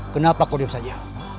kenapa kau diam saja